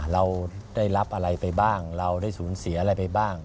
เราได้รับอะไรไปบ้างเราได้สูญเสียอะไรไปบ้าง